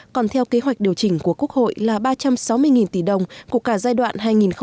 còn theo kế hoạch điều chỉnh của quốc hội là ba trăm sáu mươi tỷ đồng của cả giai đoạn hai nghìn một mươi sáu hai nghìn hai mươi